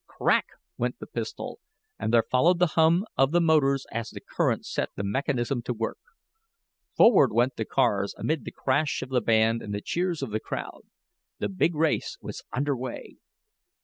"Crack!" went the pistol, and there followed the hum of the motors as the current set the mechanism to work. Forward went the cars, amid the crash of the band and the cheers of the crowd. The big race was under way.